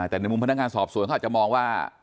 แต่ในมุมพนักงานสอบสวนเขาอาจจะมองว่า